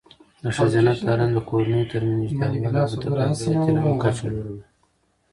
د ښځینه تعلیم د کورنیو ترمنځ نږدېوالی او د متقابل احترام کچه لوړوي.